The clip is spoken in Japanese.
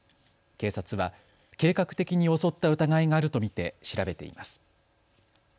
警察は計画的に襲った疑いがあると見て調べています。